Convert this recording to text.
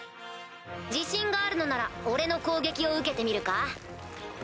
自信があるのなら俺の攻撃を受けてみるか？